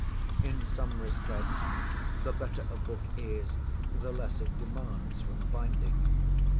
In some respects the better a book is, the less it demands from binding.